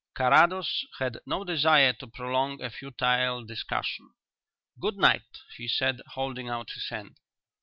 Carrados had no desire to prolong a futile discussion. "Good night," he said, holding out his hand.